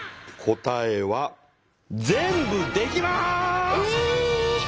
答えは全部できます！え！